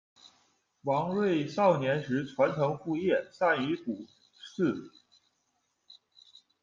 王睿少年时传承父业，善于卜筮。